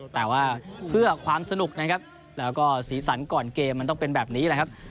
แต่ว่าเพื่อความสนุกแล้วสีสั้นก่อนเกมต้องเป็นแบบนี้แหละครับ